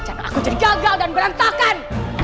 aku jadi gagal dan berantakan